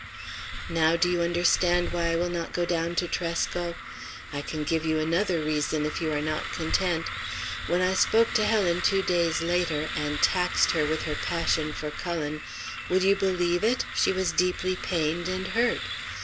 Now do you understand why I will not go down to Tresco? I can give you another reason if you are not content. When I spoke to Helen two days later, and taxed her with her passion for Cullen, would you believe it? she was deeply pained and hurt.